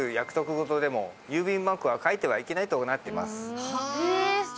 事でも郵便マークは書いてはいけないとなってます。